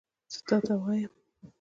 زه تا ته وایم !